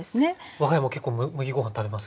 我が家も結構麦ご飯食べます。